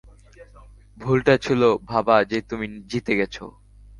ভুলটা ছিল ভাবা যে তুমি জিতে গেছ।